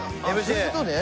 そういうことね。